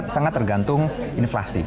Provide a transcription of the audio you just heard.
sangat tergantung inflasi